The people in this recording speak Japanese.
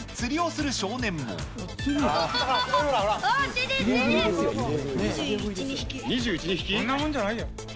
そんなもんじゃないよ。